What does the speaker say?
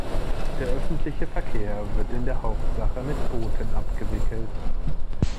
Der örtliche Verkehr wird in der Hauptsache mit Booten abgewickelt.